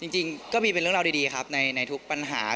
จริงก็มีเป็นเรื่องราวดีครับในทุกปัญหา